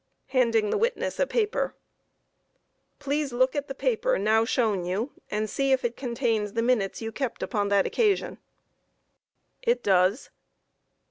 Q. (Handing the witness a paper.) Please look at the paper now shown you and see if it contains the minutes you kept upon that occasion? A. It does.